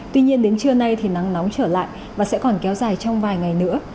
tuy nhiên đến trưa nay thì nắng nóng trở lại và sẽ còn kéo dài trong vài ngày nữa